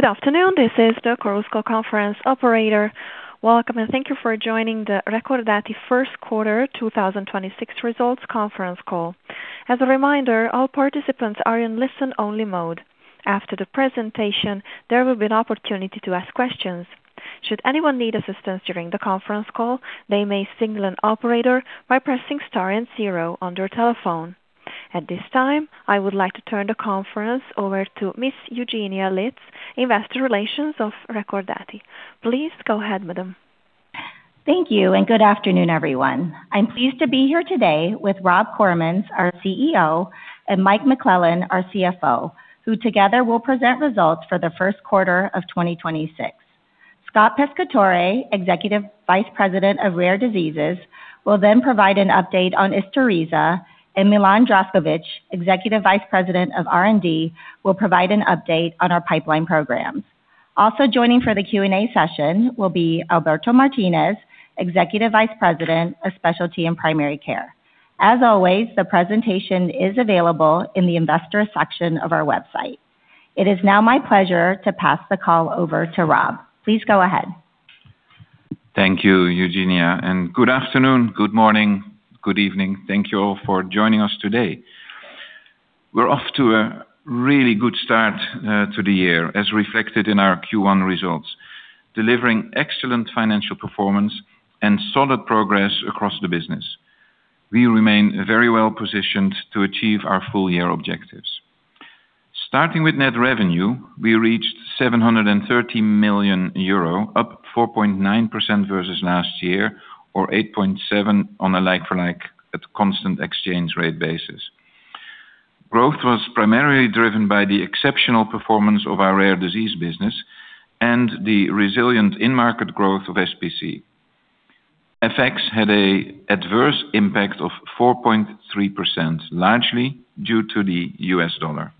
Good afternoon, this is the calls conference operator. Welcome. Thank you for joining the Recordati first quarter 2026 Results Conference Call. As a reminder, participants are in listen-only mode after the presentation, there will be an opportunity to ask questions should anyone need assistance during the conference call, they may signal an operator by pressing star and zero on their telephone. At this time, I would like to turn the conference over to Miss Eugenia Litz, investor relations of Recordati. Please go ahead, madam. Thank you, and good afternoon, everyone. I'm pleased to be here today with Rob Koremans, our CEO, and Mike McClellan, our CFO, who together will present results for the first quarter of 2026. Scott Pescatore, Executive Vice President of Rare Diseases, will then provide an update on ISTURISA, and Milan Zdravkovic, Executive Vice President of R&D, will provide an update on our pipeline programs. Also joining for the Q&A session will be Alberto Martinez, Executive Vice President of Specialty and Primary Care. As always, the presentation is available in the investor section of our website. It is now my pleasure to pass the call over to Rob. Please go ahead. Thank you, Eugenia, good afternoon, good morning, good evening. Thank you all for joining us today. We're off to a really good start to the year, as reflected in our Q1 results, delivering excellent financial performance and solid progress across the business. We remain very well-positioned to achieve our full-year objectives. Starting with net revenue, we reached 730 million euro, up 4.9% versus last year or 8.7% on a like-for-like at a constant exchange rate basis. Growth was primarily driven by the exceptional performance of our rare disease business and the resilient in-market growth of SPC. FX had an adverse impact of 4.3%, largely due to the US dollar.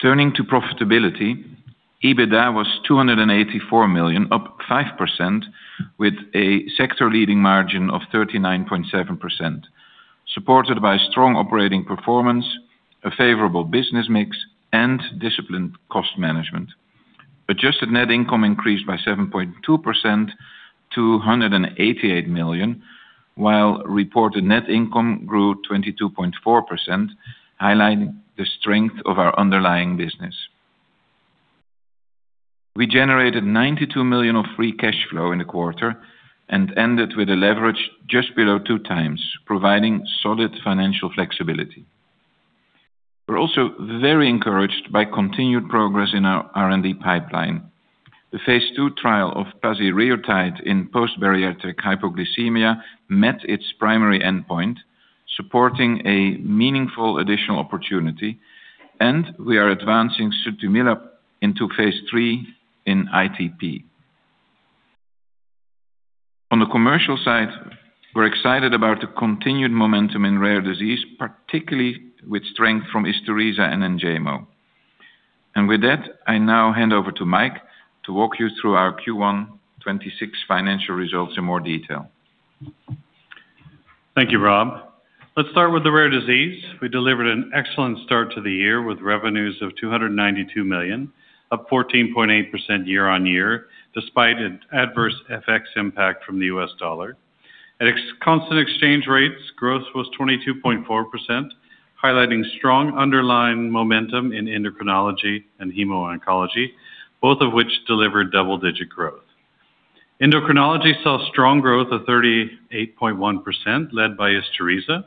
Turning to profitability, EBITDA was 284 million, up 5% with a sector-leading margin of 39.7%, supported by strong operating performance, a favorable business mix, and disciplined cost management. Adjusted net income increased by 7.2% to 188 million, while reported net income grew 22.4%, highlighting the strength of our underlying business. We generated 92 million of free cash flow in the quarter and ended with a leverage just below 2x, providing solid financial flexibility. We're also very encouraged by continued progress in our R&D pipeline. The phase II trial of pasireotide in post-bariatric hypoglycemia met its primary endpoint, supporting a meaningful additional opportunity, and we are advancing sutimlimab into phase III in ITP. On the commercial side, we're excited about the continued momentum in rare disease, particularly with strength from ISTURISA and Enjaymo. With that, I now hand over to Mike to walk you through our Q1 2026 financial results in more detail. Thank you, Rob. Let's start with the rare disease. We delivered an excellent start to the year with revenues of 292 million, up 14.8% year-on-year, despite an adverse FX impact from the U.S. dollar. At ex-constant exchange rates, growth was 22.4%, highlighting strong underlying momentum in endocrinology and hemoncology, both of which delivered double-digit growth. Endocrinology saw strong growth of 38.1% led by ISTURISA,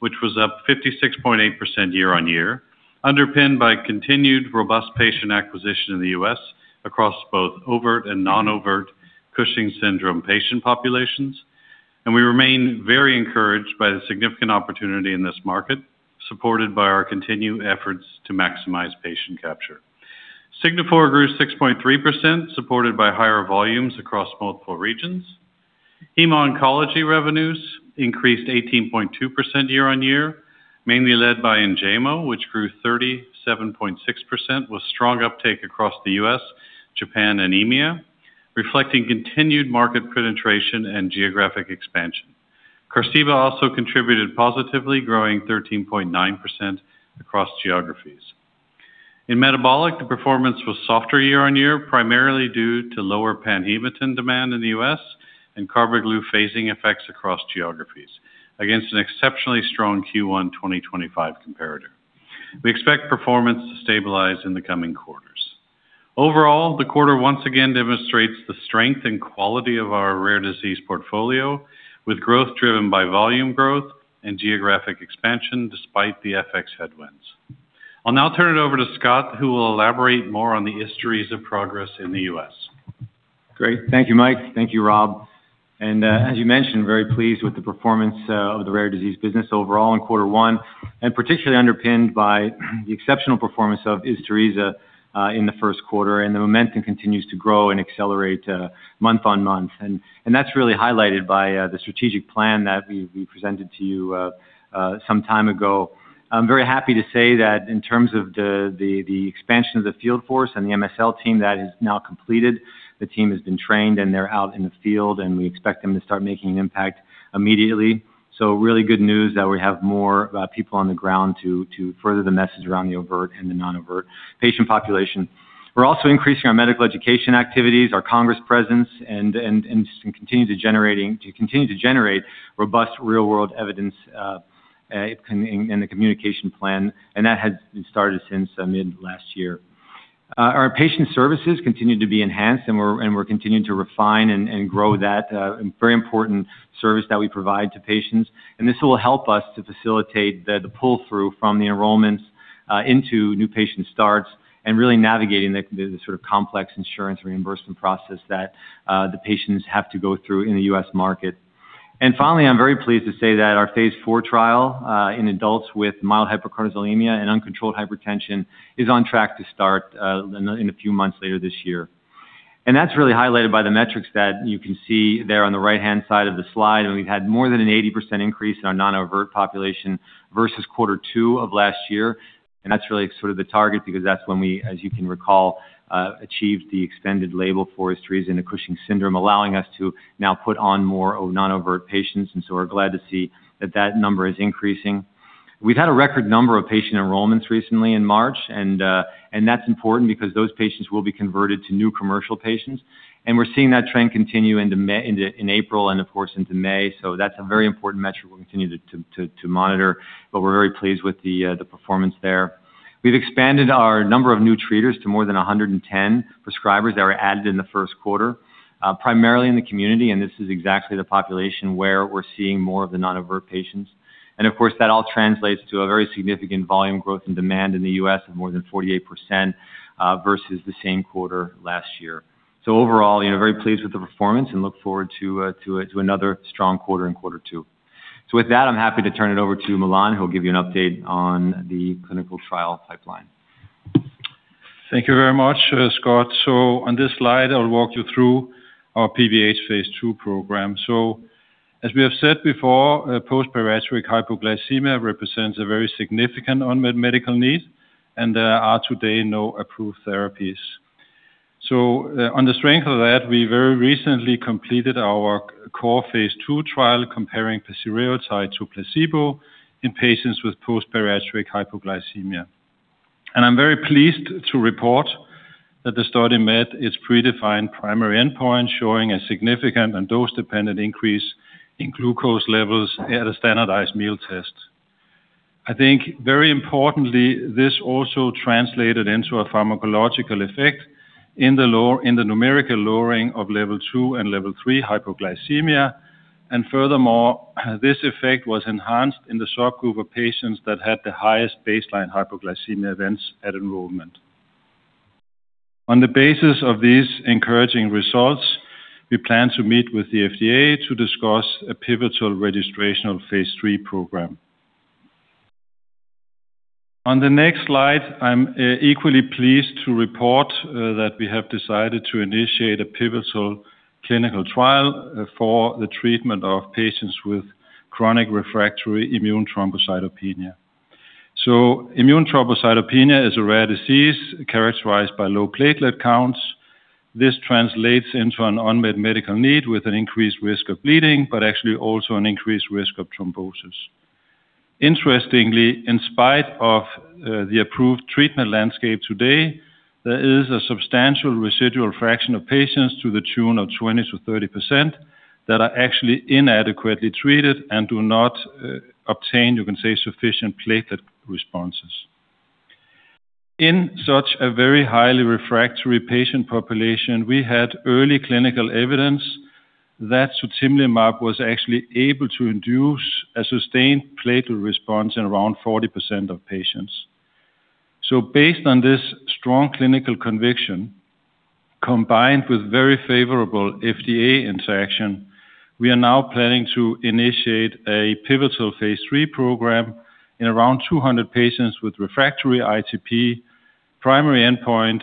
which was up 56.8% year-on-year, underpinned by continued robust patient acquisition in the U.S. across both overt and non-overt Cushing's syndrome patient populations. We remain very encouraged by the significant opportunity in this market, supported by our continued efforts to maximize patient capture. Signifor grew 6.3%, supported by higher volumes across multiple regions. Hematology revenues increased 18.2% year-on-year, mainly led by Enjaymo, which grew 37.6% with strong uptake across the U.S., Japan, and EMEA, reflecting continued market penetration and geographic expansion. Qarziba also contributed positively, growing 13.9% across geographies. Metabolics, the performance was softer year-on-year, primarily due to lower PANHEMATIN demand in the U.S. and CARBAGLU phasing effects across geographies against an exceptionally strong Q1 2025 comparator. We expect performance to stabilize in the coming quarters. Overall, the quarter once again demonstrates the strength and quality of our rare disease portfolio, with growth driven by volume growth and geographic expansion despite the FX headwinds. I'll now turn it over to Scott, who will elaborate more on the ISTURISA progress in the U.S. Great. Thank you, Mike. Thank you, Rob. As you mentioned, I am very pleased with the performance of the rare disease business overall in quarter one, and it is particularly underpinned by the exceptional performance of ISTURISA in the first quarter, and the momentum continues to grow and accelerate month-on-month. That's really highlighted by the strategic plan that we presented to you some time ago. I'm very happy to say that in terms of the expansion of the field force and the MSL team that is now complete, the team has been trained, and they're out in the field, and we expect them to start making an impact immediately. Really good news that we have more people on the ground to further the message around the overt and the non-overt patient population. We're also increasing our medical education activities and congress presence and continuing to generate robust real-world evidence in the communication plan. That has been started since mid-last year. Our patient services continue to be enhanced, and we're continuing to refine and grow that very important service that we provide to patients. This will help us to facilitate the pull-through from the enrollments into new patient starts and really navigating the sort of complex insurance reimbursement process that the patients have to go through in the U.S. market. Finally, I'm very pleased to say that our phase IV trial in adults with mild hypercortisolism and uncontrolled hypertension is on track to start in a few months, later this year. That's really highlighted by the metrics that you can see there on the right-hand side of the slide. We've had more than an 80% increase in our non-overt population versus Q2 of last year. That's really sort of the target because that's when we, as you can recall, achieved the extended label for our ISTURISA in Cushing's syndrome, allowing us to now treat more non-overt patients. So we're glad to see that that number is increasing. We've had a record number of patient enrollments recently in March, and that's important because those patients will be converted to new commercial patients. We're seeing that trend continue into April and of course into May. That's a very important metric we'll continue to monitor, but we're very pleased with the performance there. We've expanded our number of new treaters to more than 110 prescribers that were added in the first quarter, primarily in the community, and this is exactly the population where we're seeing more of the non-overt patients. Of course, that all translates to a very significant volume growth and demand in the U.S. of more than 48% versus the same quarter last year. Overall, you know, very pleased with the performance and look forward to another strong quarter in quarter two. With that, I'm happy to turn it over to Milan, who will give you an update on the clinical trial pipeline. Thank you very much, Scott. On this slide, I will walk you through our PBH phase II program. As we have said before, post-bariatric hypoglycemia represents a very significant unmet medical need, and there are today no approved therapies. On the strength of that, we very recently completed our core phase II trial comparing pasireotide to placebo in patients with post-bariatric hypoglycemia. I'm very pleased to report that the study met its predefined primary endpoint, showing a significant and dose-dependent increase in glucose levels at a standardized meal test. I think very importantly, this also translated into a pharmacological effect in the numerical lowering of level 2 and level 3 hypoglycemia. Furthermore, this effect was enhanced in the subgroup of patients that had the highest baseline hypoglycemia events at enrollment. On the basis of these encouraging results, we plan to meet with the FDA to discuss a pivotal registration of a phase III program. On the next slide, I'm equally pleased to report that we have decided to initiate a pivotal clinical trial for the treatment of patients with chronic refractory immune thrombocytopenia. Immune thrombocytopenia is a rare disease characterized by low platelet counts. This translates into an unmet medical need with an increased risk of bleeding, but actually also an increased risk of thrombosis. Interestingly, in spite of the approved treatment landscape today, there is a substantial residual fraction of patients to the tune of 20%-30% that are actually inadequately treated and do not obtain, you could say, sufficient platelet responses. In such a very highly refractory patient population, we had early clinical evidence that sutimlimab was actually able to induce a sustained platelet response in around 40% of patients. Based on this strong clinical conviction, combined with very favorable FDA interaction, we are now planning to initiate a pivotal phase III program in around 200 patients with refractory ITP. Primary endpoint,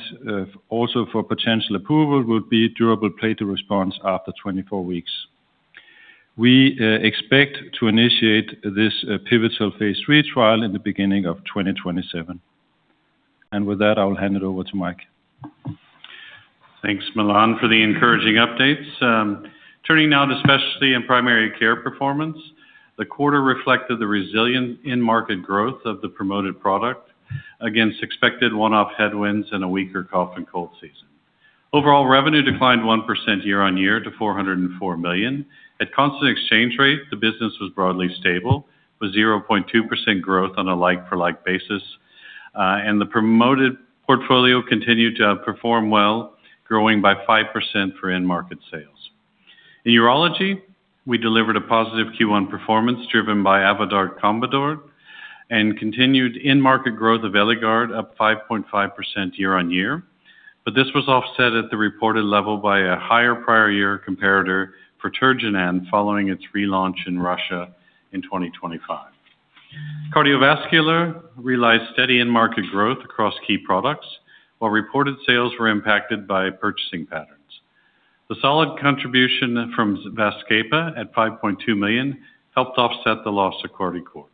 also for potential approval, would be a durable platelet response after 24 weeks. We expect to initiate this pivotal phase III trial in the beginning of 2027. With that, I will hand it over to Mike. Thanks, Milan, for the encouraging updates. Turning now to Specialty and Primary Care performance. The quarter reflected the resilient end-market growth of the promoted product against expected one-off headwinds and a weaker cough-and-cold season. Overall revenue declined 1% year-on-year to 404 million. At a constant exchange rate, the business was broadly stable, with 0.2% growth on a like-for-like basis. The promoted portfolio continued to perform well, growing by 5% for end-market sales. In urology, we delivered a positive Q1 performance driven by Avodart/Combodart and continued in-market growth of Eligard, up 5.5% year-on-year. This was offset at the reported level by a higher prior year comparator for Tergynan following its relaunch in Russia in 2025. Cardiovascular realized steady in-market growth across key products, while reported sales were impacted by purchasing patterns. The solid contribution from VASCEPA at 5.2 million helped offset the loss of Cardicor.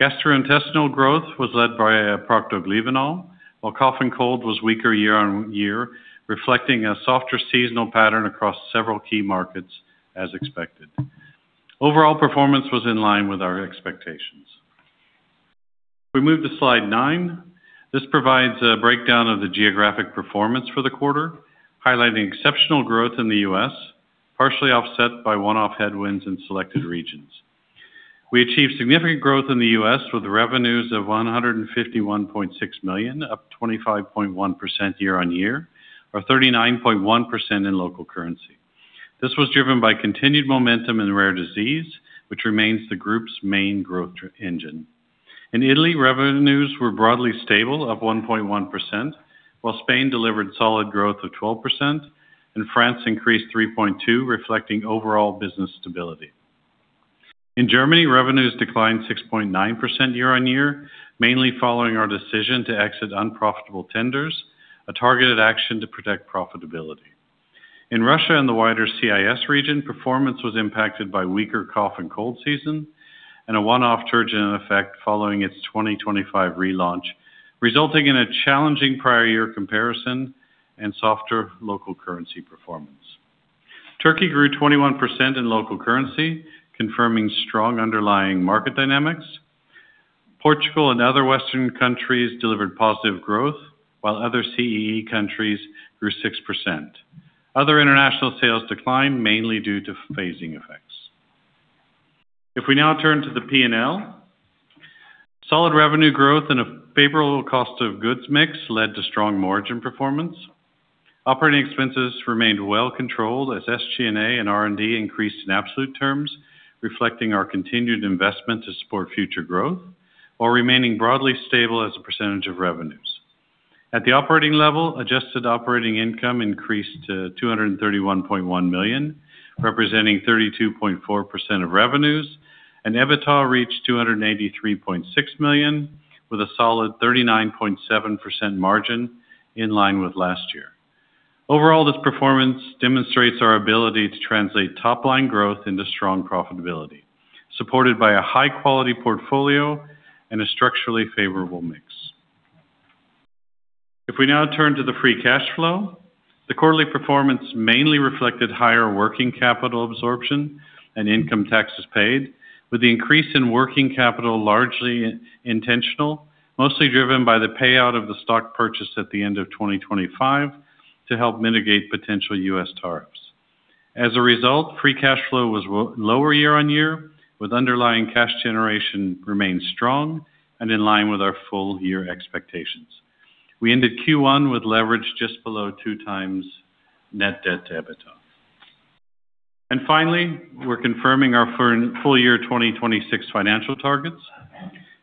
Gastrointestinal growth was led by Procto-Glyvenol, while cough and cold were weaker year-on-year, reflecting a softer seasonal pattern across several key markets, as expected. Overall performance was in line with our expectations. We move to slide nine. This provides a breakdown of the geographic performance for the quarter, highlighting exceptional growth in the U.S., partially offset by one-off headwinds in selected regions. We achieved significant growth in the U.S., with revenues of 151.6 million, up 25.1% year-on-year, or 39.1% in local currency. This was driven by continued momentum in rare disease, which remains the group's main growth engine. In Italy, revenues were broadly stable, up 1.1%, while Spain delivered solid growth of 12%. France increased 3.2%, reflecting overall business stability. In Germany, revenues declined 6.9% year-on-year, mainly following our decision to exit unprofitable tenders, a targeted action to protect profitability. In Russia and the wider CIS region, performance was impacted by a weaker cough and cold season and a one-off Tergynan effect following its 2025 relaunch, resulting in a challenging prior-year comparison and softer local currency performance. Turkey grew 21% in local currency, confirming strong underlying market dynamics. Portugal and other Western countries delivered positive growth, while other CEE countries grew 6%. Other international sales declined mainly due to phasing effects. If we now turn to the P&L. Solid revenue growth and a favorable cost of goods mix led to strong margin performance. Operating expenses remained well controlled as SG&A and R&D increased in absolute terms, reflecting our continued investment to support future growth, while remaining broadly stable as a percentage of revenues. At the operating level, adjusted operating income increased to 231.1 million, representing 32.4% of revenues, and EBITDA reached 283.6 million, with a solid 39.7% margin in line with last year. Overall, this performance demonstrates our ability to translate top-line growth into strong profitability, supported by a high-quality portfolio and a structurally favorable mix. If we now turn to the free cash flow, the quarterly performance mainly reflected higher working capital absorption and income taxes paid, with the increase in working capital largely intentional, mostly driven by the payout of the stock purchase at the end of 2025 to help mitigate potential U.S. tariffs. As a result, free cash flow was lower year-on-year, with underlying cash generation remaining strong and in line with our full-year expectations. We ended Q1 with leverage just below 2x net debt to EBITDA. Finally, we're confirming our full year 2026 financial targets.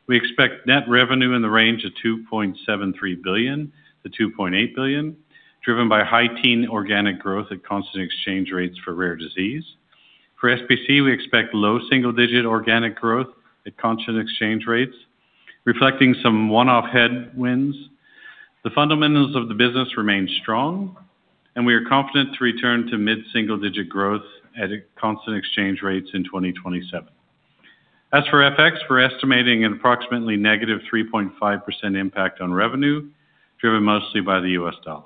We expect net revenue in the range of 2.73 billion-2.8 billion, driven by high teen organic growth at constant exchange rates for rare diseases. For SPC, we expect low single-digit organic growth at constant exchange rates, reflecting some one-off headwinds. The fundamentals of the business remain strong. We are confident to return to mid-single-digit growth at constant exchange rates in 2027. As for FX, we're estimating an approximately negative 3.5% impact on revenue, driven mostly by the US dollar.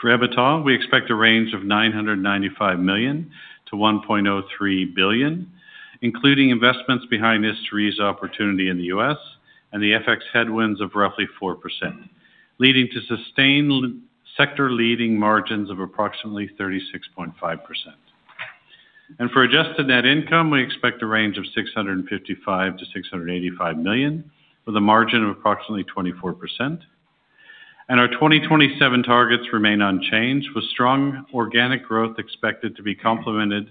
For EBITDA, we expect a range of EUR 995 million-EUR 1.03 billion, including investments behind ISTURISA's opportunity in the U.S. and the FX headwinds of roughly 4%, leading to sustained sector-leading margins of approximately 36.5%. For adjusted net income, we expect a range of 655 million to 685 million, with a margin of approximately 24%. Our 2027 targets remain unchanged, with strong organic growth expected to be complemented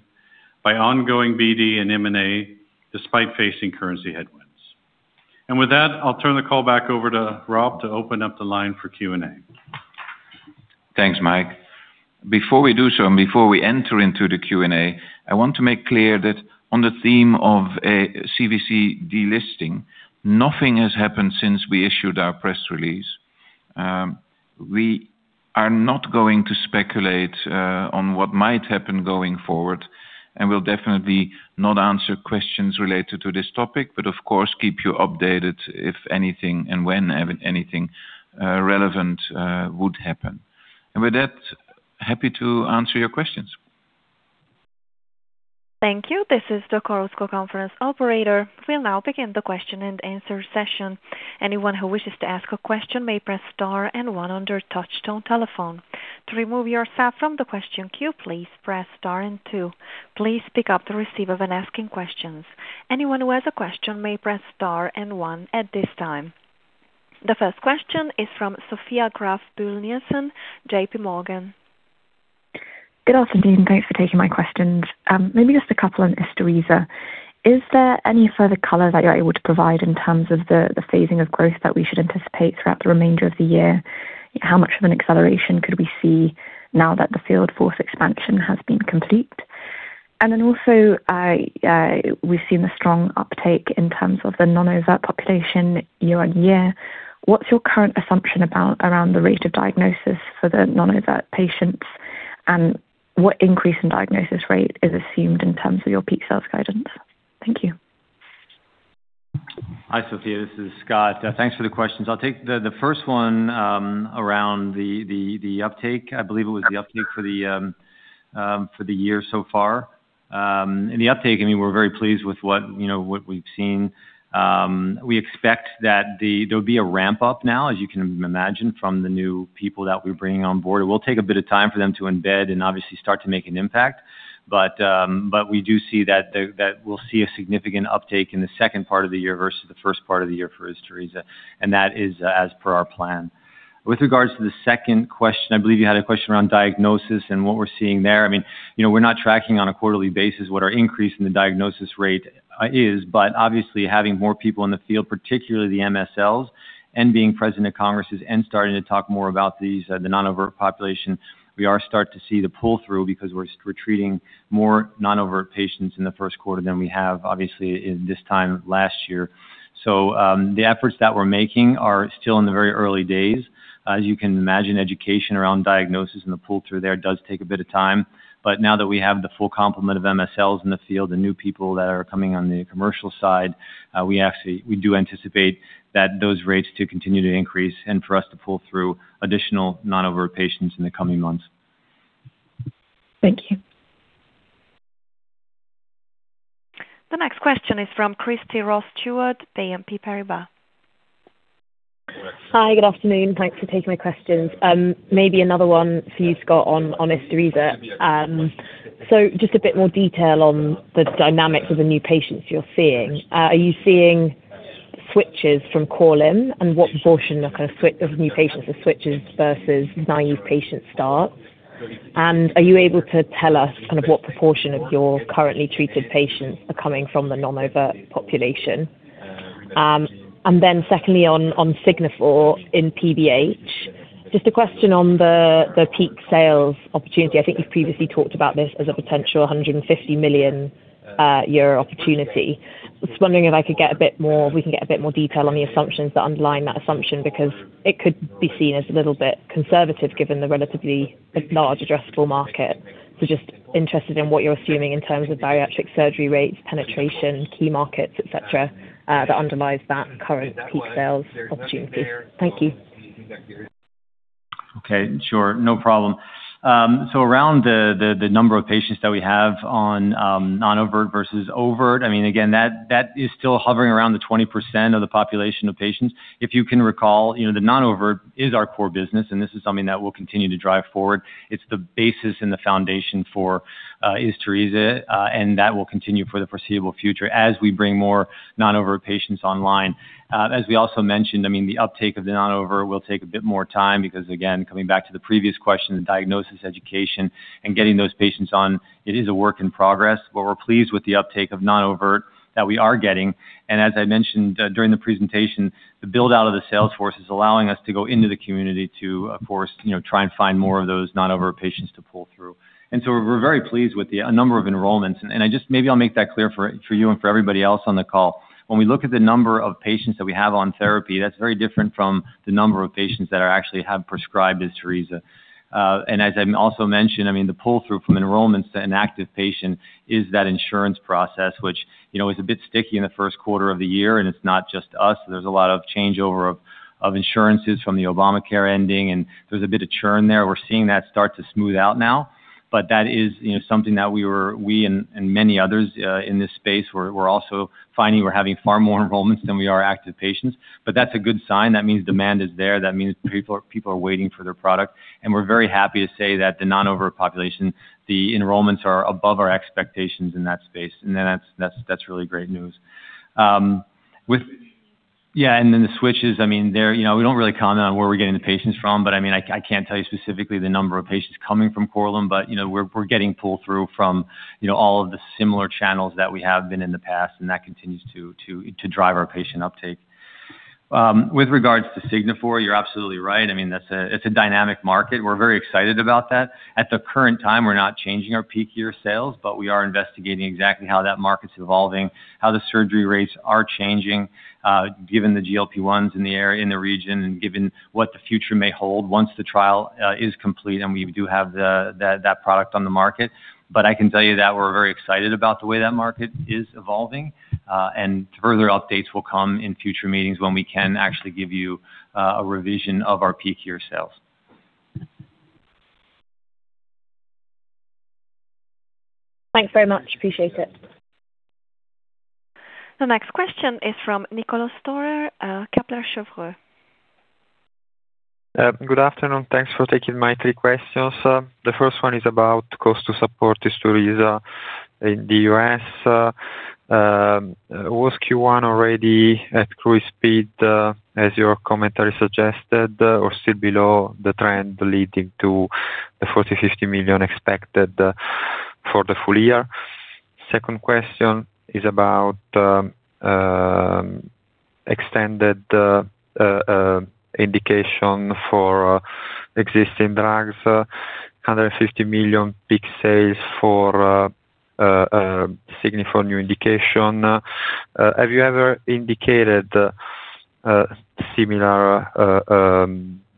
by ongoing BD and M&A despite facing currency headwinds. With that, I'll turn the call back over to Rob to open up the line for Q&A. Thanks, Mike. Before we do so, and before we enter into the Q&A, I want to make clear that on the theme of a CVC delisting, nothing has happened since we issued our press release. We are not going to speculate on what might happen going forward, and we'll definitely not answer questions related to this topic, but of course, we'll keep you updated if anything relevant happens and when anything relevant happens. With that, I'm happy to answer your questions. Thank you. This is the call conference operator. We now begin the question-and-answer session. Anyone who wishes to ask a question may press star and one on their touch-tone telephone to remove yourself from the question. Please press star and two. Please pick up the receiver and asking questions. Anyone who has a question may press star and one at this time. The first question is from Sophia Graeff Buhl Nielsen, JP Morgan. Good afternoon. Thanks for taking my questions. Maybe just a couple on ISTURISA. Is there any further color that you're able to provide in terms of the phasing of growth that we should anticipate throughout the remainder of the year? How much of an acceleration could we see now that the field force expansion has been complete? Also, we've seen a strong uptake in terms of the non-overt population year-on-year. What's your current assumption about the rate of diagnosis for the non-overt patients? What increase in diagnosis rate is assumed in terms of your peak sales guidance? Thank you. Hi, Sophia, this is Scott. Thanks for the questions. I'll take the first one around the uptake. I believe it was the uptake for the year so far. In the uptake, I mean, we're very pleased with what, you know, we've seen. We expect that there'll be a ramp-up now, as you can imagine, from the new people that we're bringing on board. It will take a bit of time for them to embed and obviously start to make an impact. We do see that we'll see a significant uptake in the second part of the year versus the first part of the year for ISTURISA, and that is as per our plan. With regards to the second question, I believe you had a question around diagnosis and what we're seeing there. I mean, you know, we're not tracking on a quarterly basis what our increase in the diagnosis rate is. Obviously, having more people in the field, particularly the MSLs, and being present at congresses and starting to talk more about these non-overt populations, we are starting to see the pull-through because we're treating more non-overt patients in the first quarter than we have, obviously, in this time last year. The efforts that we're making are still in the very early days. As you can imagine, education around diagnosis and the pull-through there does take a bit of time. Now that we have the full complement of MSLs in the field and the new people that are coming on the commercial side, we do anticipate that those rates will continue to increase and for us to pull through additional non-overt patients in the coming months. Thank you. The next question is from Kirsty Ross-Stewart, BNP Paribas. Hi, good afternoon. Thanks for taking my questions. Maybe another one for you, Scott, on ISTURISA. Just a bit more detail on the dynamics of the new patients you're seeing. Are you seeing switches from Korlym, what proportion of new patients are switches versus naive patient starts? Are you able to tell us kind of what proportion of your currently treated patients are coming from the non-overt population? Secondly, on Signifor in PBH, just a question on the peak sales opportunity. I think you've previously talked about this as a potential 150 million euro-year opportunity. Just wondering if I could get a bit more detail on the assumptions that underlie that assumption, because it could be seen as a little bit conservative given the relatively large addressable market. Just interested in what you're assuming in terms of bariatric surgery rates, penetration, key markets, etc., that underlies that current peak sales opportunity. Thank you. Okay, sure. No problem. Around the number of patients that we have on non-overt versus overt, I mean, again, that is still hovering around the 20% of the population of patients. If you can recall, you know, the non-overt is our core business, and this is something that we'll continue to drive forward. It's the basis and the foundation for ISTURISA, and that will continue for the foreseeable future as we bring more non-overt patients online. As we also mentioned, I mean, the uptake of the non-overt will take a bit more time because, again, coming back to the previous question, the diagnosis, education, and getting those patients on it are a work in progress. We're pleased with the uptake of non-overt that we are getting. As I mentioned during the presentation, the build-out of the sales force is allowing us to go into the community to, of course, you know, try and find more of those non-overt patients to pull through. We're very pleased with the number of enrollments. I just maybe I'll just make that clear for you and for everybody else on the call. When we look at the number of patients that we have on therapy, that's very different from the number of patients that actually have ISTURISA prescribed. As I also mentioned, I mean, the pull-through from enrollments to an active patient is that insurance process, which, you know, is a bit sticky in the first quarter of the year, and it's not just us. There's been a lot of changeover of insurance since Obamacare ended. There's a bit of churn there. We're seeing that start to smooth out now. That is, you know, something that we and many others in this space are also finding we're having far more enrollments than active patients. That's a good sign. That means demand is there. That means people are waiting for their product. We're very happy to say that for the non-overt population, the enrollments are above our expectations in that space. That's really great news. With Yeah, then the switches, I mean, you know, we don't really comment on where we're getting the patients from. I mean, I can't tell you specifically the number of patients coming from Korlym. You know, we're getting pull-through from, you know, all of the similar channels that we have been in the past, and that continues to drive our patient uptake. With regards to Signifor, you're absolutely right. I mean, that's a dynamic market. We're very excited about that. At the current time, we're not changing our peak year sales, but we are investigating exactly how that market is evolving and how the surgery rates are changing, given the GLP-1s in the area, in the region, and given what the future may hold once the trial is complete and we do have that product on the market. I can tell you that we're very excited about the way that market is evolving. Further updates will come in future meetings when we can actually give you a revision of our peak year sales. Thanks very much. Appreciate it. The next question is from Niccolò Guido Storer, Kepler Cheuvreux. Good afternoon. Thanks for answering my three questions. The first one is about cost to support ISTURISA in the U.S. Was Q1 already at cruising speed, as your commentary suggested, or still below the trend leading to the 40 million-50 million expected for the full year? Second question is about extended indications for existing drugs. 150 million peak sales for Signifor's new indication. Have you ever indicated a similar,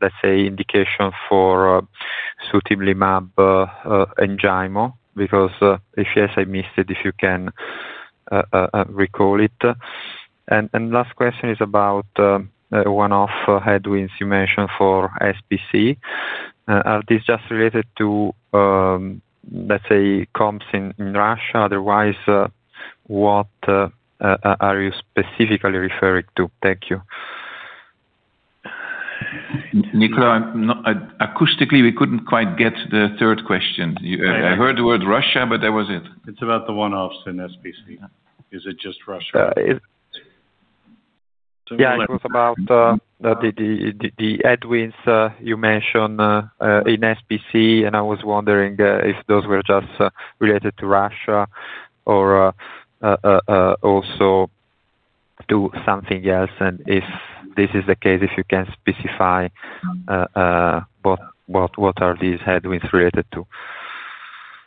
let's say, indication for sutimlimab in Enjaymo? If yes, I missed it. if you can recall it. Last question is about one-off headwinds you mentioned for SPC. Are these just related to, let's say comps in Russia? Otherwise, what are you specifically referring to? Thank you. Niccolò, acoustically, we couldn't quite get the third question. Yeah. I heard the word "Russia," but that was it. It's about the one-offs in SPC. Is it just Russia? Yeah, it was about the headwinds you mentioned in SPC, and I was wondering if those were just related to Russia or also to something else. If this is the case, can you specify what these headwinds are related to?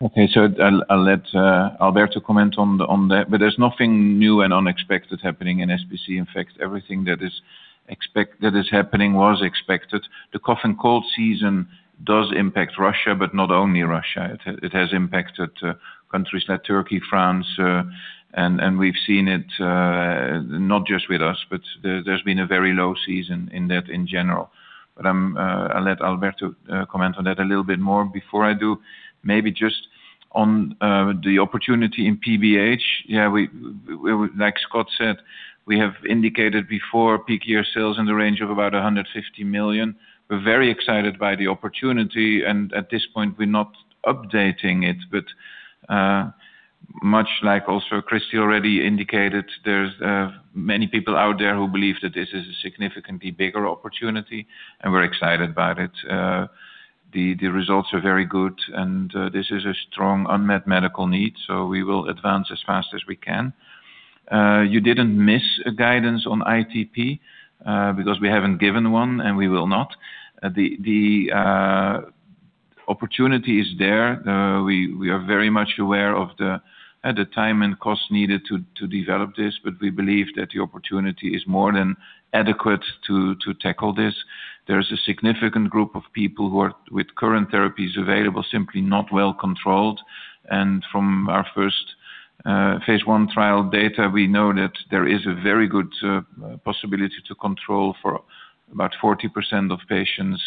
Okay. I'll let Alberto comment on that. There's nothing new and unexpected happening in SPC. In fact, everything that is happening was expected. The cough and cold season does impact Russia, but not only Russia. It has impacted countries like Turkey and France, and we've seen it not just with us, but there's been a very low season for that in general. I'll let Alberto comment on that a little bit more. Before I do, maybe just on the opportunity in PBH. Yeah, like Scott said, we have indicated before peak year sales in the range of about 150 million. We're very excited by the opportunity, and at this point, we're not updating it. Much like Kirsty also indicated, there are many people out there who believe that this is a significantly bigger opportunity, and we're excited about it. The results are very good, and this is a strong unmet medical need, so we will advance as fast as we can. You didn't miss guidance on ITP because we haven't given one, and we will not. The opportunity is there. We are very much aware of the time and cost needed to develop this, but we believe that the opportunity is more than adequate to tackle this. There is a significant group of people who are, with current therapies available, simply not well-controlled. From our first phase I trial data, we know that there is a very good possibility to control for about 40% of patients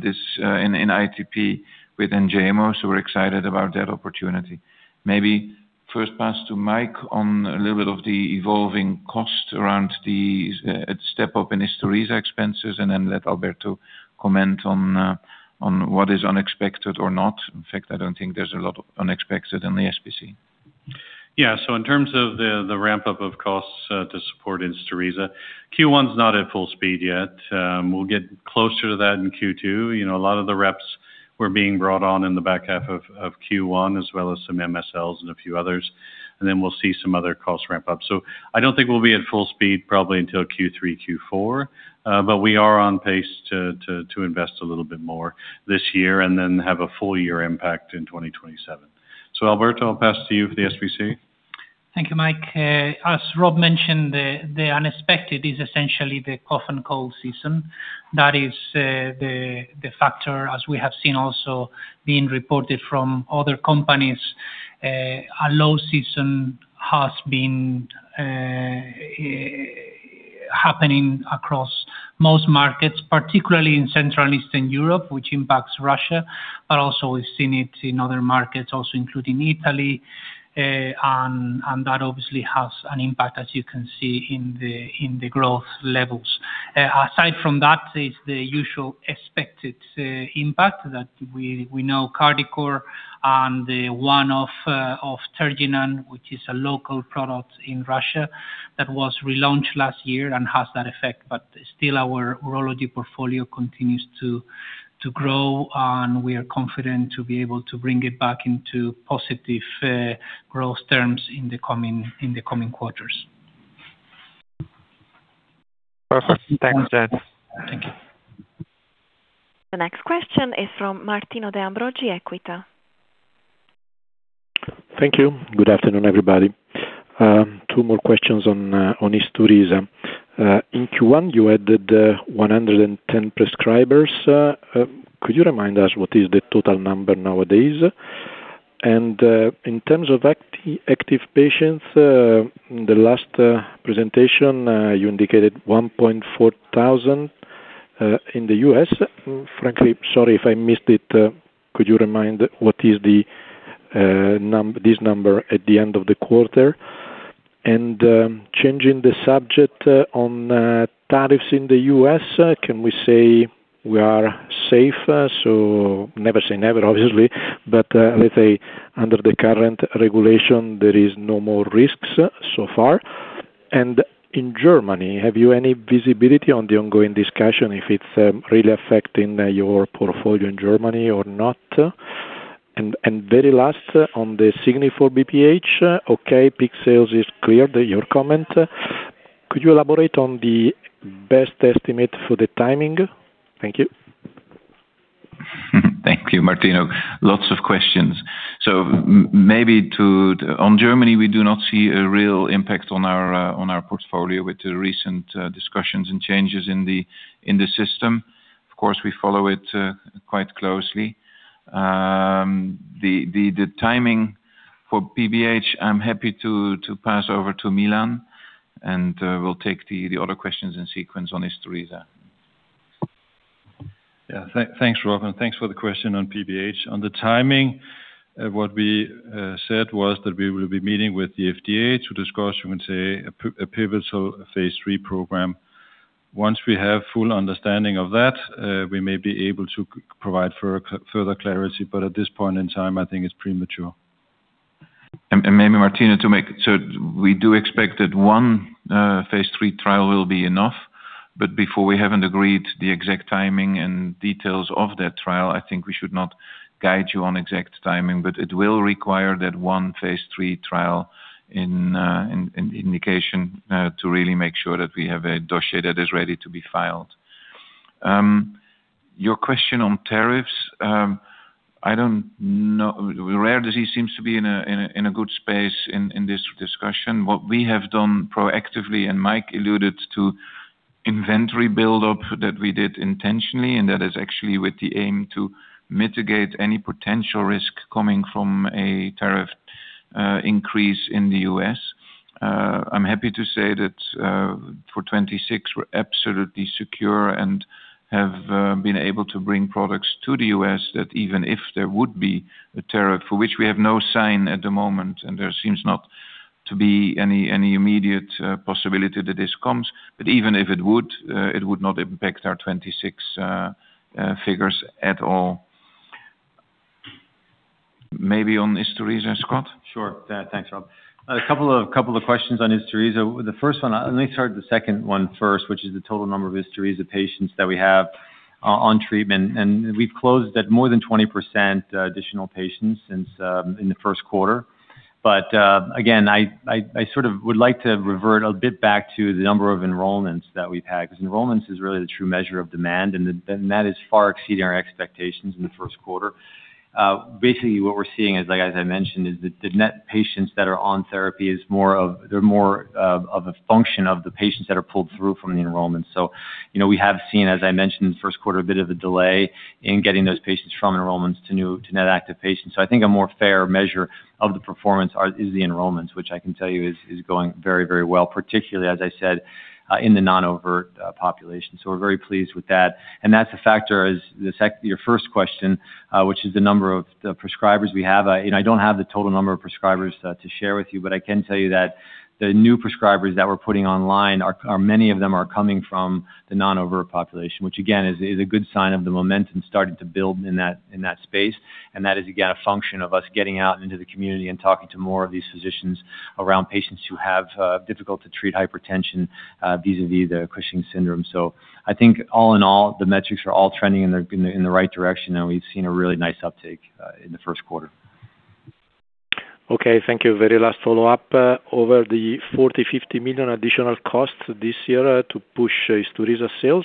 with ITP with Enjaymo, so we're excited about that opportunity. Maybe first pass to Mike on a little bit of the evolving cost around the step-up in ISTURISA expenses, and then let Alberto comment on what is unexpected or not. In fact, I don't think there's a lot of unexpected in the SPC. Yeah. In terms of the ramp-up of costs to support ISTURISA, Q1's not at full speed yet. We'll get closer to that in Q2. You know, a lot of the reps were being brought on in the back half of Q1, as well as some MSLs and a few others. Then we'll see some other costs ramp up. I don't think we'll be at full speed probably until Q3, Q4. We are on pace to invest a little bit more this year and then have a full year impact in 2027. Alberto, I'll pass to you for the SPC. Thank you, Mike. As Rob mentioned, the unexpected is essentially the cough and cold season. That is the factor, as we have seen, also being reported from other companies. A low season has been happening across most markets, particularly in Central and Eastern Europe, which impacts Russia, but we've also seen it in other markets, including Italy. That obviously has an impact, as you can see, in the growth levels. Aside from that is the usual expected impact that we know Cardicor and the one-off of Tergynan, which is a local product in Russia that was relaunched last year and has that effect. Still, our urology portfolio continues to grow, and we are confident in being able to bring it back into positive growth terms in the coming quarters. Perfect. Thanks, guys. Thank you. The next question is from Martino de Ambroggi, Equita. Thank you. Good afternoon, everybody. Two more questions on ISTURISA. In Q1, you added 110 prescribers. Could you remind us what the total number is nowadays? In terms of active patients, in the last presentation, you indicated [1,400] in the U.S. Frankly, I'm sorry if I missed it. Could you remind me what this number is at the end of the quarter? Changing the subject, on tariffs in the U.S., can we say we are safe? Never say never, obviously, but let's say under the current regulation, there are no more risks so far. In Germany, do you have any visibility on the ongoing discussion if it's really affecting your portfolio in Germany or not? Very last, on the Signifor PBH, okay, peak sales are clear; your comment. Could you elaborate on the best estimate for the timing? Thank you. Thank you, Martino. Lots of questions. Maybe in Germany, we do not see a real impact on our portfolio with the recent discussions and changes in the system. Of course, we follow it quite closely. The timing for PBH, I'm happy to pass over to Milan, and we'll take the other questions in sequence on ISTURISA. Yeah. Thanks, Rob, and thanks for the question on PBH. On the timing, what we said was that we will be meeting with the FDA to discuss, you could say, a pivotal phase III program. Once we have full understanding of that, we may be able to provide further clarity, but at this point in time, I think it's premature. Maybe Martino de Ambroggi to make it. We do expect that one phase III trial will be enough. Before we have agreed on the exact timing and details of that trial, I think we should not guide you on the exact timing. It will require that one phase III trial in the indication to really make sure that we have a dossier that is ready to be filed. Your question on tariffs? I don't know. Rare Diseases seems to be in a good space in this discussion. What we have done proactively, and Mike alluded to, is inventory buildup that we did intentionally, and that is actually with the aim to mitigate any potential risk coming from a tariff increase in the U.S. I'm happy to say that, for 2026, we're absolutely secure and have been able to bring products to the U.S., that even if there were a tariff, for which we have no sign at the moment, and there seems not to be any immediate possibility that this comes. Even if it would, it would not impact our 2026 figures at all. Maybe on ISTURISA, Scott. Sure. Thanks, Rob. A couple of questions on ISTURISA. Let me start with the second one first, which is the total number of ISTURISA patients that we have on treatment. We've closed with more than 20% additional patients since the first quarter. Again, I sort of would like to revert a bit back to the number of enrollments that we've had, because enrollment is really the true measure of demand, and that is far exceeding our expectations in the first quarter. Basically, what we're seeing is, like I mentioned, the net patients that are on therapy are more of a function of the patients that are pulled through from the enrollment. You know, we have seen, as I mentioned in the first quarter, a bit of a delay in getting those patients from enrollment to net active patients. I think a more fair measure of the performance is the enrollments, which I can tell you are going very, very well, particularly, as I said, in the non-overt population. We're very pleased with that. That's a factor, as is your first question, which is the number of the prescribers we have. I don't have the total number of prescribers to share with you, but I can tell you that the new prescribers that we're putting online are many; they are coming from the non-overt population. Again, it is a good sign of the momentum starting to build in that space. That is, again, a function of us getting out into the community and talking to more of these physicians around patients who have difficult-to-treat hypertension vis-à-vis Cushing's syndrome. I think all in all, the metrics are all trending in the right direction, and we've seen a really nice uptake in the first quarter. Okay. Thank you. Very last follow-up. Over the 40 million-50 million additional costs this year to push ISTURISA sales,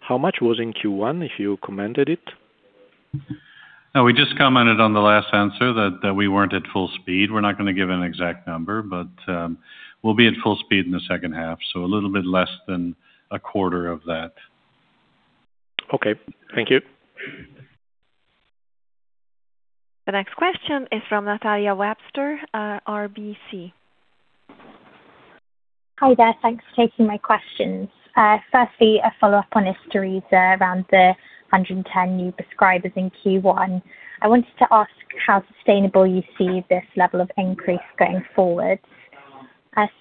how much was in Q1, if you commented on it? We just commented on the last answer that we were not at full speed. We are not going to give an exact number, but we will be at full speed in the second half, so a little bit less than a quarter of that. Okay. Thank you. The next question is from Natalia Webster, RBC. Hi there. Thanks for taking my questions. Firstly, a follow-up on ISTURISA around the 110 new prescribers in Q1. I wanted to ask how sustainable you see this level of increase going forward.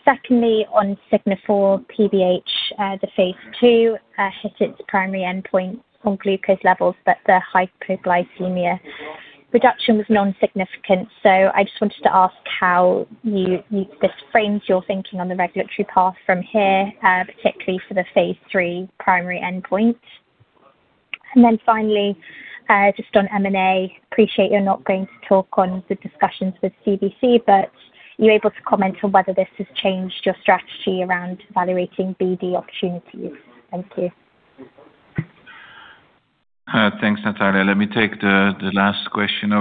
Secondly, on Signifor, PBH, the phase II hit its primary endpoint on glucose levels, but the hypoglycemia reduction was nonsignificant. I just wanted to ask how this frames your thinking on the regulatory path from here, particularly for the phase III primary endpoint. Finally, just on M&A. Appreciate you're not going to talk on the discussions with CVC, but are you able to comment on whether this has changed your strategy around evaluating BD opportunities? Thank you. Thanks, Natalia. Let me take the last question.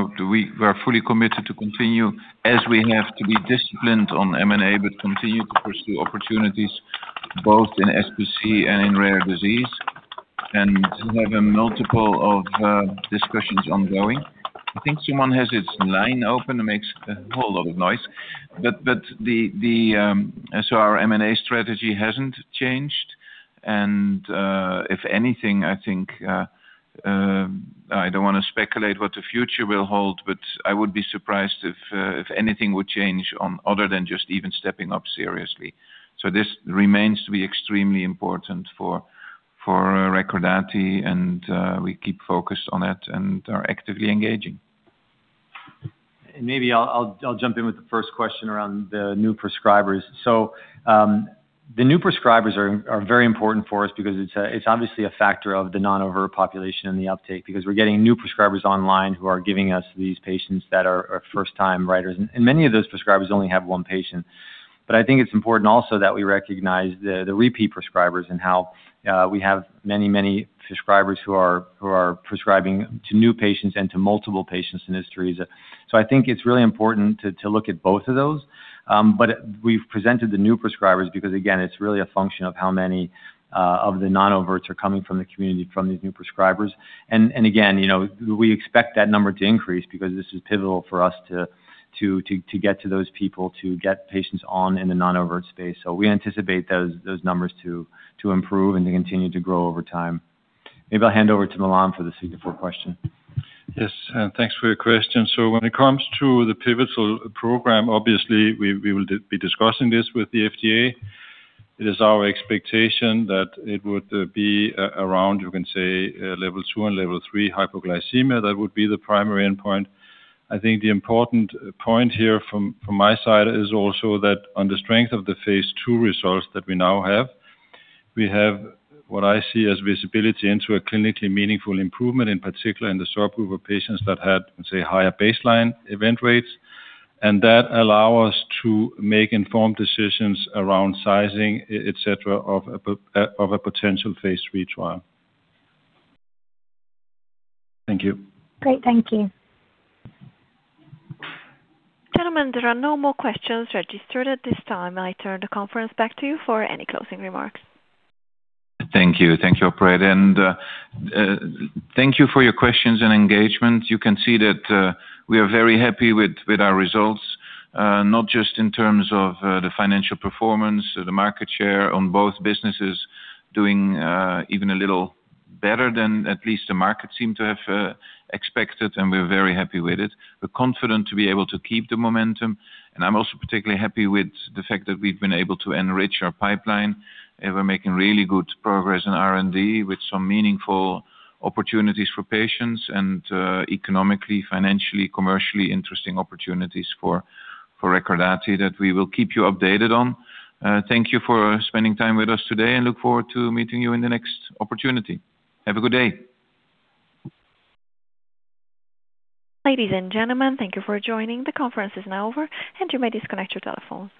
We're fully committed to continuing, as we have to be disciplined on M&A, but we continue to pursue opportunities both in SPC and in rare disease, and we have a multitude of discussions ongoing. I think someone has his line open. It makes a whole lot of noise. Our M&A strategy hasn't changed, and, if anything, I think I don't want to speculate on what the future will hold, but I would be surprised if anything would change other than just stepping up seriously. This remains to be extremely important for Recordati, and we keep focused on that and are actively engaging. Maybe I'll jump in with the first question around the new prescribers. The new prescribers are very important for us because it's obviously a factor of the non-overt population and the uptake because we're getting new prescribers online who are giving us these patients that are first-time writers. Many of those prescribers only have one patient. I think it's important also that we recognize the repeat prescribers and how we have many prescribers who are prescribing to new patients and to multiple patients' ISTURISA. I think it's really important to look at both of those. We've presented the new prescribers because, again, it's really a function of how many of the non-overts are coming from the community, from these new prescribers. Again, you know, we expect that number to increase because this is pivotal for us to get to those people, to get patients on in the non-overt space. We anticipate those numbers to improve and to continue to grow over time. Maybe I'll hand it over to Milan for the Signifor question. Yes. Thanks for your question. When it comes to the pivotal program, obviously we will be discussing this with the FDA. It is our expectation that it would be around level 2 and level 3 hypoglycemia. That would be the primary endpoint. I think the important point here from my side is also that on the strength of the phase II results that we now have, we have what I see as visibility into a clinically meaningful improvement, in particular in the subgroup of patients that had higher baseline event rates, and that allows us to make informed decisions around sizing, etc., of a potential phase III trial. Thank you. Great. Thank you. Gentlemen, there are no more questions registered at this time. I turn the conference back to you for any closing remarks. Thank you. Thank you, operator. Thank you for your questions and engagement. You can see that we are very happy with our results, not just in terms of the financial performance; the market share for both businesses is doing even a little better than at least the market seemed to have expected, and we're very happy about it. We're confident in being able to keep the momentum. I'm also particularly happy with the fact that we've been able to enrich our pipeline, and we're making really good progress in R&D with some meaningful opportunities for patients and economically, financially, and commercially interesting opportunities for Recordati that we will keep you updated on. Thank you for spending time with us today, and I look forward to meeting you in the next opportunity. Have a good day. Ladies and gentlemen, thank you for joining. The conference is now over, and you may disconnect your telephones.